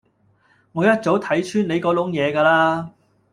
我一早睇穿你嗰籠嘢架喇